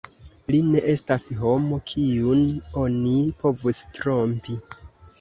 Li ne estas homo, kiun oni povus trompi.